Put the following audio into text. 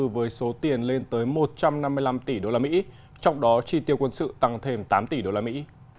với số tiền lên tới một trăm năm mươi năm tỷ đô la mỹ trong đó chi tiêu quân sự tăng thêm tám tỷ đô la mỹ